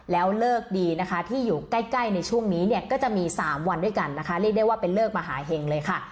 แล้วเลิกดีนะคะที่อยู่ใกล้ในช่วงนี้เนี่ยก็จะมี๓วันด้วยกันนะคะเรียกได้ว่าเป็นเลิกมหาเห็งเลยค่ะ